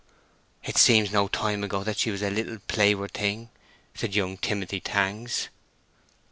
"It seems no time ago that she was a little playward girl," said young Timothy Tangs.